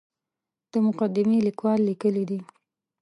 د مقدمې لیکوال لیکلي دي.